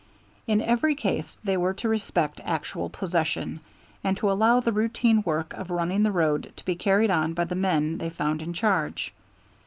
In every case they were to respect actual possession, and to allow the routine work of running the road to be carried on by the men they found in charge.